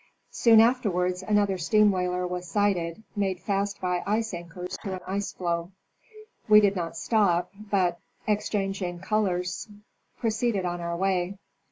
Soon afterwards another toni whaler was sighted, made fast by ice anchors to an ice floe; we did not stop, but, exchanging colors, proceeded on our way.